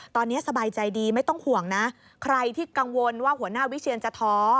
ตอนนี้สบายใจดีไม่ต้องห่วงนะใครที่กังวลว่าหัวหน้าวิเชียนจะท้อ